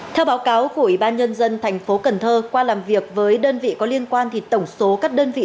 theo báo cáo của ủy ban nhân dân thành phố cần thơ qua làm việc với đơn vị có liên quan thì tổng số các đơn vị